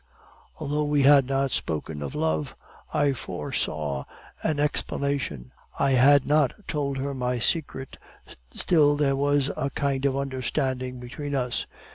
Although we had not spoken of love, I foresaw an explanation. I had not told her my secret, still there was a kind of understanding between us.